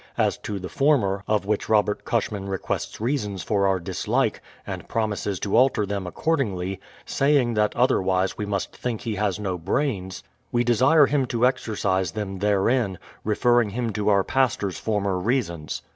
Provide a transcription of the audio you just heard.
As to the former, of which Robert Cushman requests reasons for our dislike and promises to alter them accordingl}^ saying that otherwise we must think he has no brains, — we desire him to exercise them therein, referring him to our pastor's former reasons.